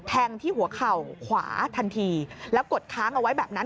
ที่หัวเข่าขวาทันทีแล้วกดค้างเอาไว้แบบนั้น